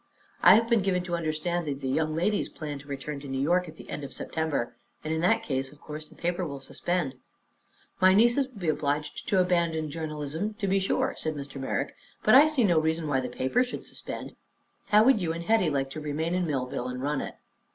"I have been given to understand the young ladies plan to return to New York at the end of September, and in that case of course the paper will suspend." "My nieces will be obliged to abandon journalism, to be sure," said Mr. Merrick; "but I see no reason why the paper should suspend. How would you and Hetty like to remain in Millville and run it?"